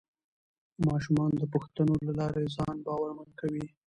ماشومان د پوښتنو له لارې ځان باورمن کوي